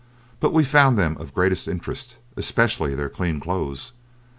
But we found them of greatest interest, especially their clean clothes.